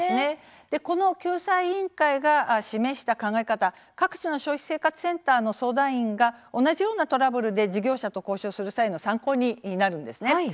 この救済委員会が示した考え方、各地の消費生活センターの相談員が同じようなトラブルで事業者と交渉する際の参考になるんですね。